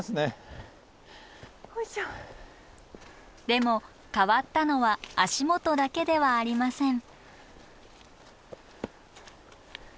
でも変わったのは足元だけではありません。